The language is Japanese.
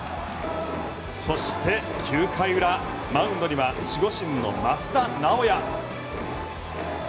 そして９回裏マウンドには守護神の益田直也。